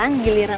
nama itu apa